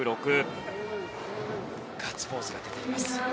ガッツポーズが出ています。